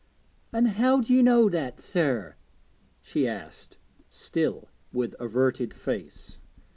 'And how do you know that, sir?' she asked, still with averted face.